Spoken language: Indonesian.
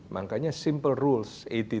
makanya simple rules delapan puluh dua puluh